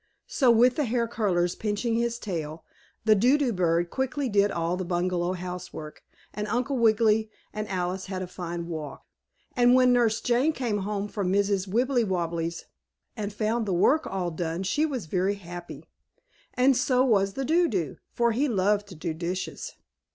So with the hair curlers pinching his tail the Do do bird quickly did all the bungalow housework, and Uncle Wiggily and Alice had a fine walk. And when Nurse Jane came home from Mrs. Wibblewobble's and found the work all done she was very happy. And so was the Do do, for he loved to do dishes.